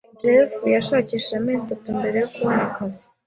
Jeff yashakishije amezi atatu mbere yo kubona akazi.